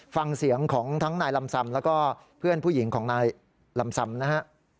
ฟังเสียงของทั้งนายลำซำแล้วก็เพื่อนผู้หญิงของนายลำซำนะฮะ